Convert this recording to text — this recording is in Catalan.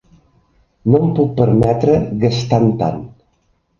No em puc permetre gastant tant.